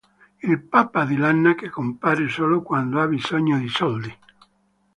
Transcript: Il papà di Lana che compare solo quando ha bisogno di soldi.